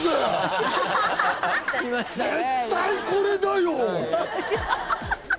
「絶対これだよ！」